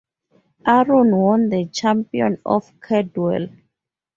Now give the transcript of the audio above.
Aron won the Champion of Cadwell.